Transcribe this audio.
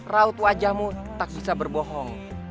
raut wajahmu tak bisa berbohong